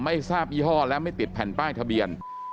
ไม่ทราบยี่ห้อและไม่ติดแผ่นป้ายทะเบียน